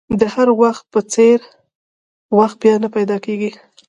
د حال وخت په څېر وخت بیا نه پیدا کېږي.